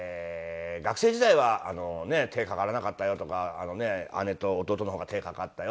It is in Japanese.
「学生時代は手がかからなかったよ」とか「姉と弟の方が手がかかったよ」って言われて。